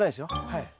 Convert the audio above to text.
はい。